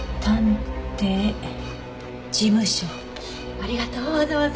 ありがとうわざわざ。